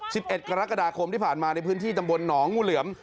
สิบเอ็ดกรกฎาคมที่ผ่านมาในพื้นที่ตำบลหนองงูเหลือม